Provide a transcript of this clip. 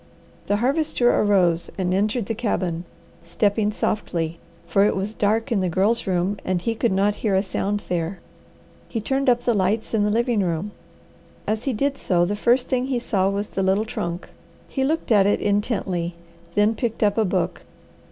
The Harvester arose and entered the cabin, stepping softly, for it was dark in the Girl's room, and he could not hear a sound there. He turned up the lights in the living room. As he did so the first thing he saw was the little trunk. He looked at it intently, then picked up a book.